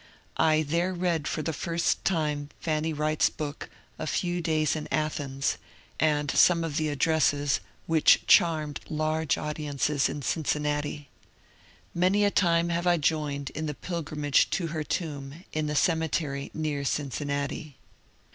I there read for the first time Fanny Wright's book, " A Few Days in Athens," and some of the addresses whioh charmed large audiences in Cincinnati. Many a time have I joined in the pilgrimage to her tomb in the cemetery near Cincinnati.